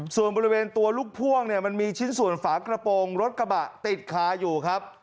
ส่วนบริเวณตัวลูกพ่วงเนี่ยมันมีชิ้นส่วนฝากระโปรงรถกระบะติดคาอยู่ครับ